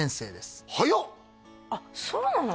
僕はあっそうなの？